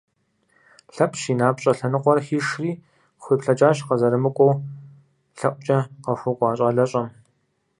Лъэпщ и напщӏэ лъэныкъуэр хишри, къыхуеплъэкӏащ къызэрымыкӏуэ лъэӏукӏэ къыхуэкӏуа щӏалэщӏэм.